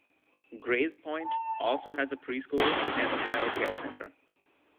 Grays Point also has a preschool and a child care centre.